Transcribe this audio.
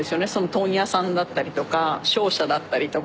問屋さんだったりとか商社だったりとか。